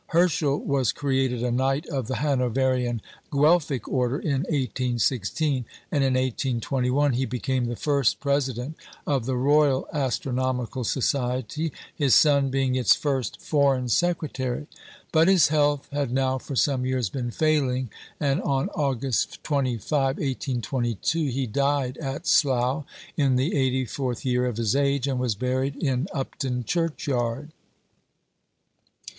Herschel was created a Knight of the Hanoverian Guelphic Order in 1816, and in 1821 he became the first President of the Royal Astronomical Society, his son being its first Foreign Secretary. But his health had now for some years been failing, and on August 25, 1822, he died at Slough, in the eighty fourth year of his age, and was buried in Upton churchyard.